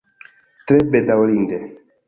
Tre bedaŭrinde.